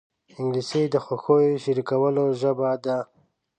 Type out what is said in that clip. انګلیسي د خوښیو شریکولو ژبه ده